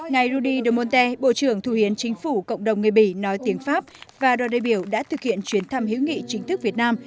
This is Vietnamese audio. ngài rudy de monte bộ trưởng thủ hiến chính phủ cộng đồng người bỉ nói tiếng pháp và đòi đề biểu đã thực hiện chuyến thăm hiếu nghị chính thức việt nam